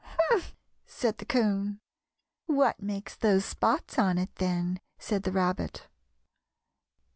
"Humph!" said the 'Coon. "What makes those spots on it, then?" said the Rabbit.